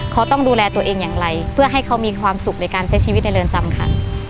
เขาต้องดูแลตัวเองอย่างไรเพื่อให้เขามีความสุขในการใช้ชีวิตในเรือนจำค่ะ